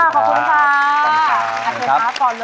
ขอบคุณค่ะ